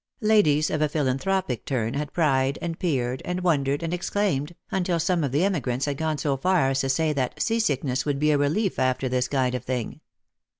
Ladies of a philanthropic turn had pried and peered and wondered and exclaimed, until some of the emigrants had gone so far as to say that sea sickness would be a relief after this kind of thing.